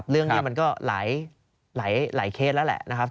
เรื่องนี้มันก็หลายเคสแล้วแหละนะครับ